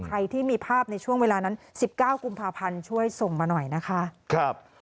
ใครที่มีภาพในช่วงเวลานั้น๑๙กุมภาพันธ์ช่วยส่งมาหน่อยนะคะ